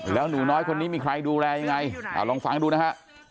แล้วหนูน้อยคนนี้มีใครดูแลยังไงลองฟังดูนะฮะ